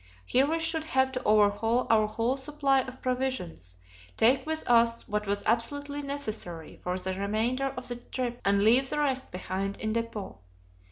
Here we should have to overhaul our whole supply of provisions, take with us what was absolutely necessary for the remainder of the trip, and leave the rest behind in depot.